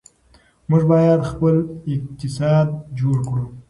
موږ باید خپل اقتصاد جوړ کړو.